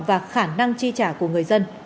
và khả năng chi trả của người dân